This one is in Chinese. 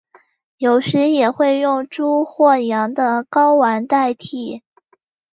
有时也会用猪或羊的睾丸代替。